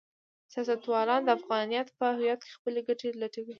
سیاستوالان د افغانیت په هویت کې خپلې ګټې لټوي.